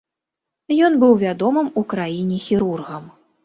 Ён быў вядомым у краіне хірургам.